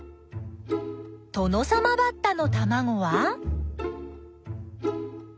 トノサマバッタのたまごは。